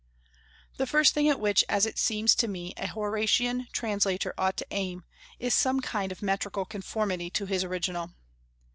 The first thing at which, as it seems to me, a Horatian translator ought to aim, is some kind of metrical conformity to his original.